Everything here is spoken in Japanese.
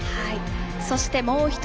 そして、もう１人。